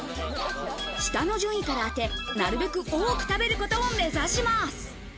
下の順位から当て、なるべく多く食べることを目指します。